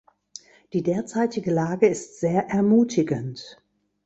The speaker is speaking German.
Die derzeitige Lage ist sehr ermutigend.